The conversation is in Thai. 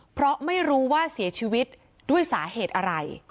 เพราะไม่รู้ว่าเสียชีวิตด้วยสาเหตุอะไร